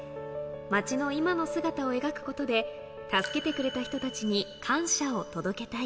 街の今の姿を描くことで、助けてくれた人たちに感謝を届けたい。